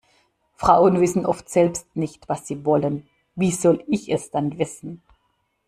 Frauen wissen oft selbst nicht, was sie wollen, wie soll ich es dann wissen?